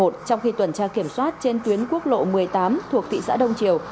trong khi tuần tra kiểm soát trên tuyến quốc lộ một mươi tám thuộc thị xã đông triều